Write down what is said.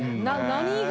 何が？